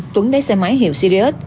tuấn lấy xe máy hiệu sirius